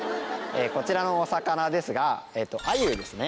こちらのお魚ですがアユですね。